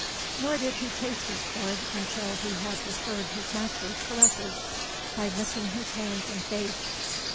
Nor did he taste his corn until he had returned his master's caresses, by licking his hands and face.